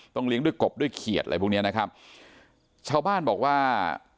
เลี้ยงด้วยกบด้วยเขียดอะไรพวกเนี้ยนะครับชาวบ้านบอกว่า